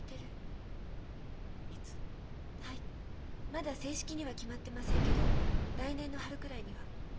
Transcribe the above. まだ正式には決まってませんけど来年の春くらいには。